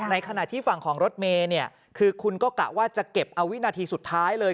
ในขณะที่ฝั่งของรถเมย์เนี่ยคือคุณก็กะว่าจะเก็บเอาวินาทีสุดท้ายเลย